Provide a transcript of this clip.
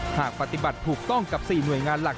หากปฏิบัติถูกต้องกับ๔หน่วยงานหลัก